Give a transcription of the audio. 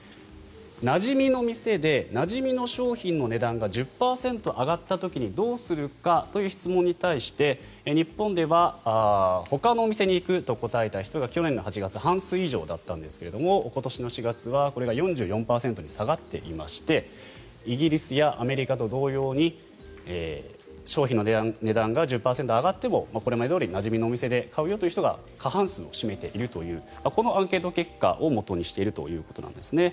なじみの店でなじみの商品の値段が１０％上がった時にどうするかという質問に対して日本ではほかのお店に行くと答えた人が去年の８月半数以上だったんですが今年の４月はこれが４４％に下がっていましてイギリスやアメリカと同様に商品の値段が１０％上がってもこれまでどおりなじみの店で買う人が過半数を占めているというこのアンケート結果をもとにしているということです。